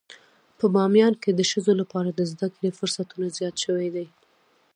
په باميان کې د ښځو لپاره د زده کړې فرصتونه زيات شوي دي.